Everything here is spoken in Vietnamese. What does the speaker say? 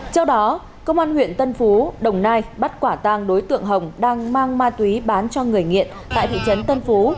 trong đó công an huyện tân phố đồng nai bắt quả tàng đối tượng hồng đang mang ma túy bán cho người nghiện tại thị trấn tân phố